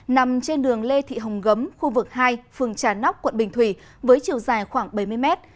nằm trên đường lê thị hồng gấm khu vực hai phường trà nóc quận bình thủy với chiều dài khoảng bảy mươi mét